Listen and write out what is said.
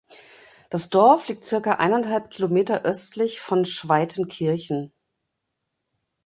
Das Dorf liegt circa eineinhalb Kilometer östlich von Schweitenkirchen.